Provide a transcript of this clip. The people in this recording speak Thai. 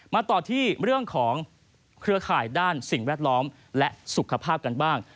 มาต่อที่เรื่องของเครือข่ายด้านสิ่งแวดล้อมและสุขภาพกันบ้าง